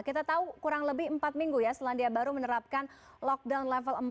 kita tahu kurang lebih empat minggu ya selandia baru menerapkan lockdown level empat